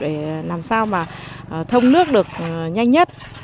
để làm sao mà thông nước được nhanh nhất